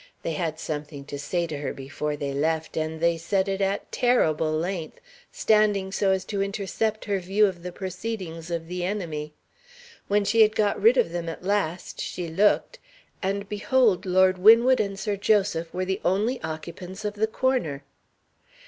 They had something to say to her before they left, and they said it at terrible length, standing so as to intercept her view of the proceedings of the enemy. When she had got rid of them at last, she looked and behold Lord Winwood and Sir Joseph were the only occupants of the corner!